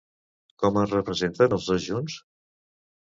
Com es representen els dos junts?